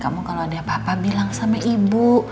kamu kalau ada apa apa bilang sama ibu